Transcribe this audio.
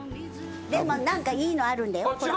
何かいいのあるんだよ。